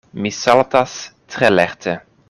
Mi saltas tre lerte.